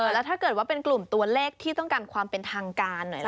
แล้วถ้าเกิดว่าเป็นกลุ่มตัวเลขที่ต้องการความเป็นทางการหน่อย